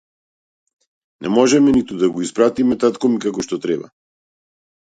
Не можеме ниту да го испpaтиме тaткo ми како што треба